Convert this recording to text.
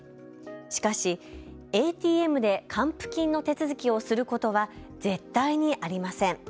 しかしＡＴＭで還付金の手続きをすることは絶対にありません。